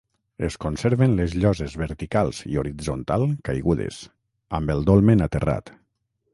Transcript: Es conserven les lloses verticals i horitzontal caigudes, amb el dolmen aterrat.